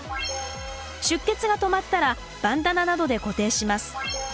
出血が止まったらバンダナなどで固定します。